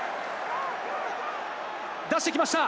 出してきました。